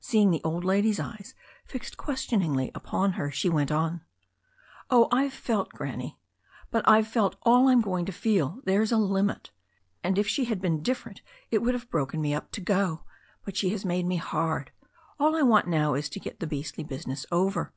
Seeing the old lady's eyes fixed questioningly upon her^ she went on. "Oh, I've felt. Granny. But I've felt all I'm going to feel. There's a limit. If she had been different it would have broken me up to go. But she has made me hard. All I want now is to get the beastly business over.